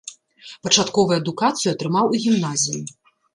Пачатковую адукацыю атрымаў у гімназіі.